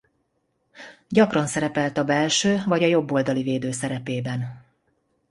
Gyakran szerepelt a belső vagy a jobb oldali védő szerepében.